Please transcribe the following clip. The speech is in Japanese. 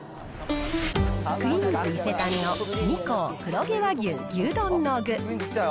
クイーンズ伊勢丹の二幸黒毛和牛牛丼の具。